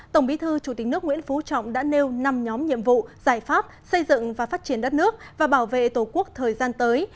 tổng bí thư chủ tịch nước nguyễn phú trọng đã nêu năm nhóm nhiệm vụ giải pháp xây dựng và phát triển đất nước và bảo vệ tổ quốc thời gian tới